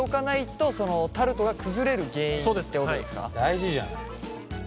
大事じゃない。